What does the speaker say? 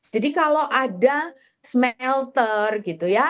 jadi kalau ada smelter gitu ya